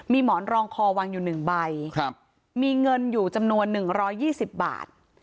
มีหมอนรองคอวางอยู่๑ใบมีเงินอยู่จำนวน๑๒๐บาท